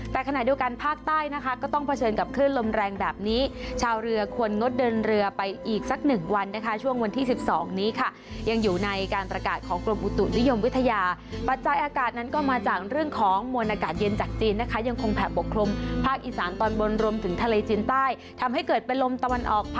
แต่ขณะเดียวกันภาคใต้นะคะก็ต้องเผชิญกับคลื่นลมแรงแบบนี้ชาวเรือควรงดเดินเรือไปอีกสักหนึ่งวันนะคะช่วงวันที่๑๒นี้ค่ะยังอยู่ในการประกาศของกรมอุตุนิยมวิทยาปัจจัยอากาศนั้นก็มาจากเรื่องของมวลอากาศเย็นจากจีนนะคะยังคงแผ่ปกคลุมภาคอีสานตอนบนรวมถึงทะเลจีนใต้ทำให้เกิดเป็นลมตะวันออก